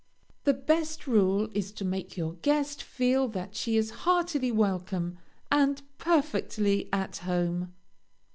The best rule is to make your guest feel that she is heartily welcome, and perfectly at home.